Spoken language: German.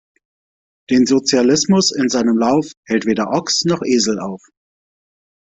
Den Sozialismus in seinem Lauf, hält weder Ochs' noch Esel auf!